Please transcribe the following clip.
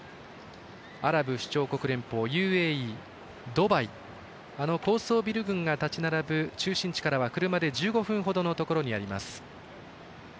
アラブ首長国連邦＝ＵＡＥドバイ、高層ビル群が建ち並ぶ中心地からは車で１５分ほどのところにあります。